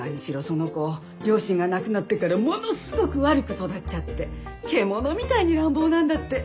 その子両親が亡くなってからものすごく悪く育っちゃって獣みたいに乱暴なんだって。